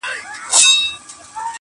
هر کور کي لږ غم شته او لږ چوپتيا